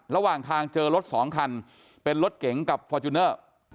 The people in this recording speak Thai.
ระหว่างทางเจอรถสองคันเป็นรถเก๋งกับฟอร์จูเนอร์